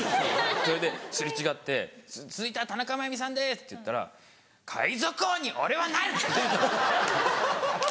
それで擦れ違って「続いては田中真弓さんです」って言ったら「海賊王に俺はなる！」って出てったんです。